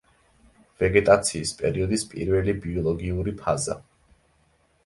ვეგეტაციის პერიოდის პირველი ბიოლოგიური ფაზა.